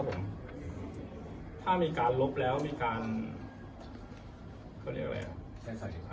ก็อยากให้ลบครับผมถ้ามีการลบแล้วมีการเขาเรียกอะไรฮะ